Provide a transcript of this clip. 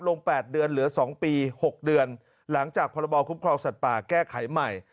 ๘เดือนเหลือ๒ปี๖เดือนหลังจากพรบคุ้มครองสัตว์ป่าแก้ไขใหม่